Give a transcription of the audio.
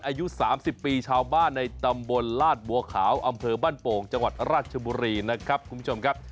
อายุ๓๐ปีชาวบ้านในตำบลลาดบัวขาวอำเภอบ้านโป่งจังหวัดราชบุรีนะครับคุณผู้ชมครับ